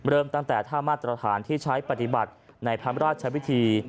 เริ่มตั้งแต่ท่ามาตรฐานที่ใช้ปฏิบัติในพระราชวิธี